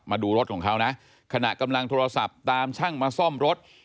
มาดูรถของเขานะขณะกำลังโทรศัพท์ตามช่างมาซ่อมรถ